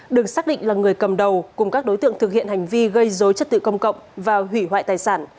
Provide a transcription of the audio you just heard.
được xác định là người cầm đầu cùng các đối tượng thực hiện hành vi gây dối trật tự công cộng và hủy hoại tài sản